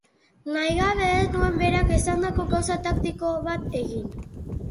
Nahi gabe ez nuen berak esandako gauza taktiko bat egin.